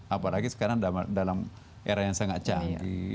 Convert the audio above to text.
apalagi sekarang dalam era yang sangat canggih